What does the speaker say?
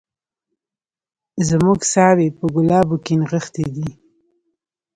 زموږ ساوي په ګلابو کي نغښتي دي